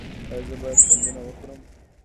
ایا زه باید ګندنه وخورم؟